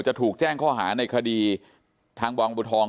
จะถูกแจ้งข้อหาในคดีทางบางบุทอง